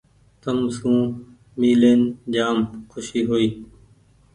تم سون مي لين جآم کوشي هوئي ۔